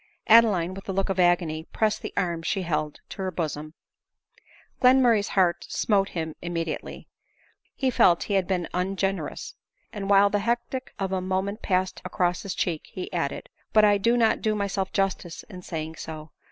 Adeline, with a look of agony, pressed the arm she held to her bosom. Glenmurray's heart smote him immediately— he felt he had been ungenerous ; and while the hectic of a moment passed across his cheek, he added, " But I do not do myself justice in saying so.